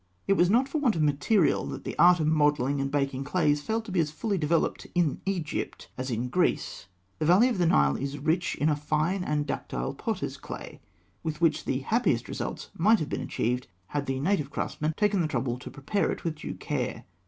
] It was not for want of material that the art of modelling and baking clays failed to be as fully developed in Egypt as in Greece, The valley of the Nile is rich in a fine and ductile potter's clay, with which the happiest results might have been achieved, had the native craftsman taken the trouble to prepare it with due care.